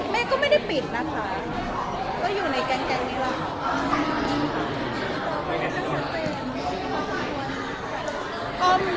แม่ก็ไม่ได้ปิดนะคะก็อยู่ในแก๊งนี้แหละค่ะ